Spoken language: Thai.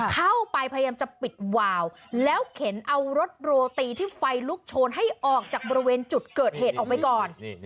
เข้าไปพยายามจะปิดวาวแล้วเข็นเอารถโรตีที่ไฟลุกโชนให้ออกจากบริเวณจุดเกิดเหตุออกไปก่อน